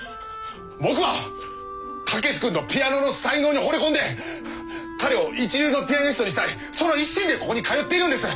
僕は武志君のピアノの才能に惚れ込んで彼を一流のピアニストにしたいその一心でここに通っているんです！